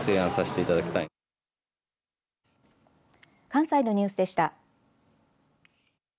関西のニュースでした。